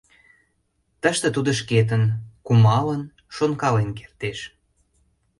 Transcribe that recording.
Тыште тудо шкетын: кумалын, шонкален кертеш.